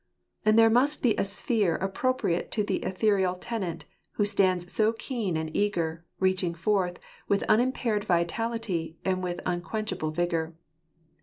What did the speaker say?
And there must be a sphere appropriate to the ethereal tenant, who stands so keen and eager, reaching forth, with unimpaired vitality and with unquenchable vigour.